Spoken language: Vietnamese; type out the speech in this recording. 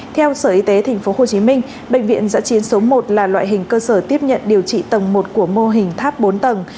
theo sở y tế tp hcm bệnh viện giã chiến số một là loại hình cơ sở tiếp nhận điều trị tầng một của mô hình tháp bốn tầng